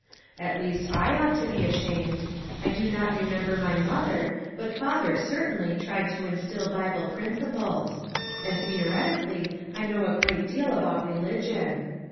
At least I ought to be ashamed; I do not re member my mother, but father certainly tried to instil Bible principles; and theoretically I know a great deal about religion."